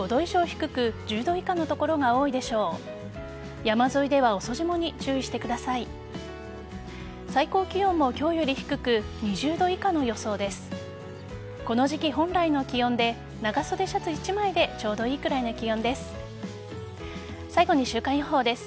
この時期本来の気温で長袖シャツ１枚でちょうどいいくらいの気温です。